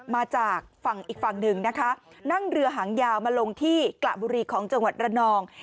มาจากฝั่งอีกฝั่งหนึ่งนะคะนั่งเรือหางยาวมาลงที่กระบุรีของจังหวัดระนอง